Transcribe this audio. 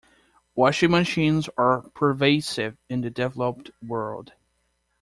Washing machines are pervasive in the developed world.